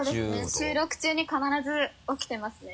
収録中に必ずおきてますね。